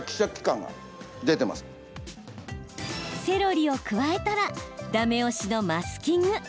セロリを加えたらだめ押しのマスキング。